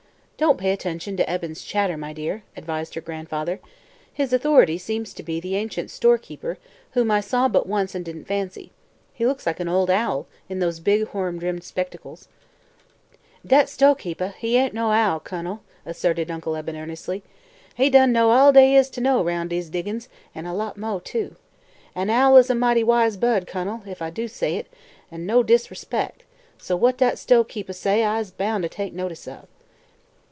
"Don't pay attention to Eben's chatter, my dear," advised her grandfather. "His authority seems to be the ancient storekeeper, whom I saw but once and didn't fancy. He looks like an old owl, in those big, horn rimmed spectacles." "Dat stoahkeepeh ain' no owl, Kun'l," asserted Uncle Eben earnestly. "He done know all dey is to know 'roun' dese diggin's, an' a lot moah, too. An' a owl is a mighty wise bird, Kun'l, ef I do say it, an' no disrespec'; so what dat stoahkeepeh say I's boun' to take notice of."